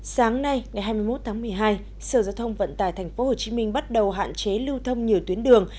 sáng nay ngày hai mươi một tháng một mươi hai sở giao thông vận tải tp hcm bắt đầu hạn chế lưu thông nhiều tuyến đường